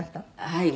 はい。